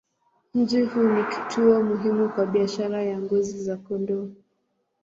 Mji huu ni kituo muhimu kwa biashara ya ngozi za kondoo.